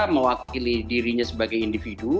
mewakili dirinya sebagai individu